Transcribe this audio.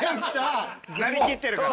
なりきってるから。